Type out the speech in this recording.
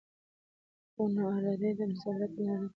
؛ خو ناارادي يې د مسلط نارينه کلچر